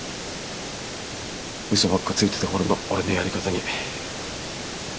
嘘ばっかついてた頃の俺のやり方に。